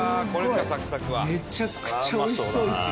めちゃくちゃおいしそうですよ。